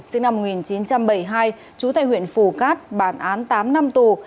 sinh năm một nghìn chín trăm bảy mươi hai trú tại huyện phù cát bản án tám năm tù